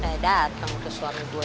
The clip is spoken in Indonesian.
udah dateng tuh suami gue